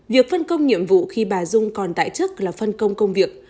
việc phân công nhiệm vụ khi bà dung còn tại chức là phân công công việc